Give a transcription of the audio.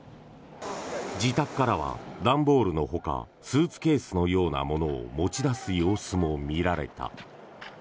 自宅からは段ボールのほかスーツケースのようなものを持ち出す様子も見られた。